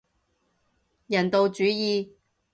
人道主義